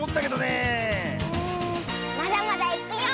まだまだいくよ！